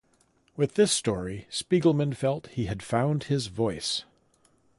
With this story Spiegelman felt he had found his voice.